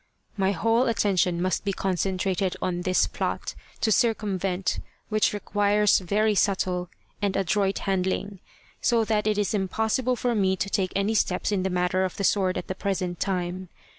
My whole attention must be concentrated on this plot, to circumvent which requires very subtle and adroit handling, so that it is impossible for me to take any steps in the matter of the sword at the present time.